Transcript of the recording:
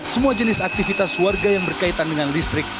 semua jenis aktivitas warga yang berkaitan dengan listrik